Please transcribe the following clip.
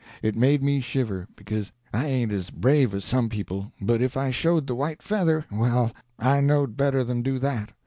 It made me shiver, because I ain't as brave as some people, but if I showed the white feather—well, I knowed better than do that.